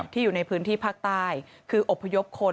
อยู่ในพื้นที่ภาคใต้คืออบพยพคน